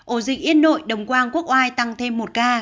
ổ dịch yên nội đồng quang quốc oai tăng thêm một ca